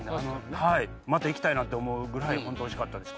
また行きたいなって思うぐらい本当おいしかったです。